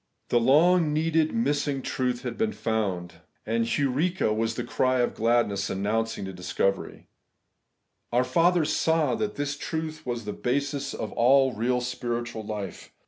The long needed, long missing truth had been found ; and evprjxa was the cry of glad ness announcing the discovery. Our fathers saw that this truth was the basis of all real spiritual life.